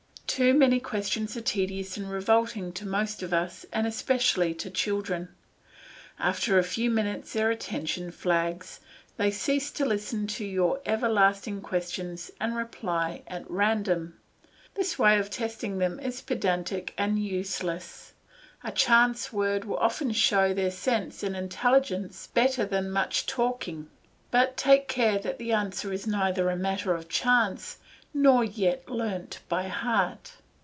Too many questions are tedious and revolting to most of us and especially to children. After a few minutes their attention flags, they cease to listen to your everlasting questions and reply at random. This way of testing them is pedantic and useless; a chance word will often show their sense and intelligence better than much talking, but take care that the answer is neither a matter of chance nor yet learnt by heart.